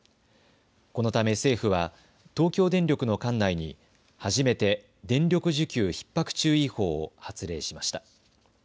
このため政府は東京電力の管内に初めて電力需給ひっ迫注意報を発令しました。